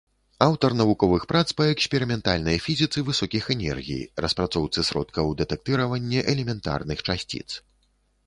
Аўтар навуковых прац па эксперыментальнай фізіцы высокіх энергій, распрацоўцы сродкаў дэтэктыравання элементарных часціц.